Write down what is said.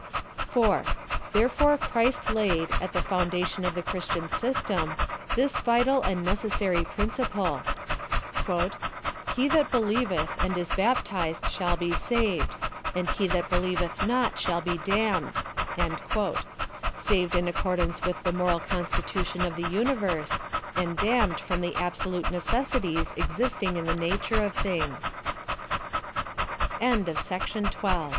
Therefore Christ laid, at the foundation of the Christian System, this vital and necessary principle, " He that believeth and isi baptized sliall be saved, and he that believeth not shall l)e damned" saved in accordance with the moral constitution of the universe, and damned from the absolute necessities (jxisting in the natu